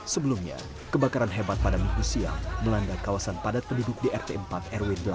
sebelumnya kebakaran hebat pada minggu siang melanda kawasan padat penduduk di rt empat rw delapan